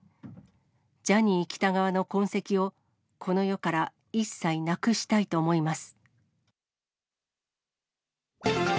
ジャニー喜多川の痕跡をこの世から一切なくしたいと思います。